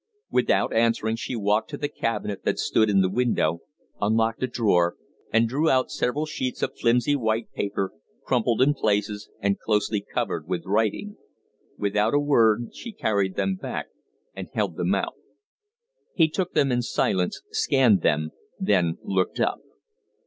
Without answering she walked to a cabinet that stood in the window, unlocked a drawer, and drew out several sheets of flimsy white paper, crumpled in places and closely covered with writing. Without a word she carried them back and held them out. He took them in silence, scanned them, then looked up.